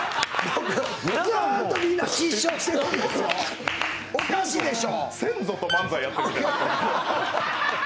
ずっとみんな失笑してるんですよ、おかしいですよ。